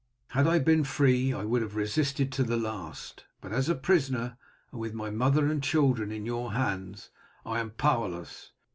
"Had I been free I would have resisted to the last, but as a prisoner, and with my mother and children in your hands, I am powerless.